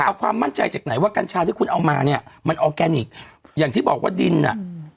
เอาความมั่นใจจากไหนว่ากัญชาที่คุณเอามาเนี้ยมันออร์แกนิคอย่างที่บอกว่าดินอ่ะ